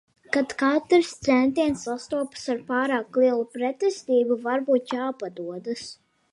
Kad katrs centiens sastopas ar pārāk lielu pretestību. Varbūt jāpadodas.